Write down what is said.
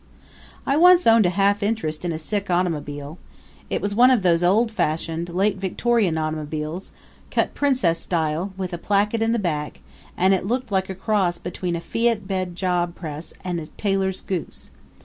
I once owned a half interest in a sick automobile. It was one of those old fashioned, late Victorian automobiles, cut princesse style, with a plaquette in the back; and it looked like a cross between a fiat bed job press and a tailor's goose.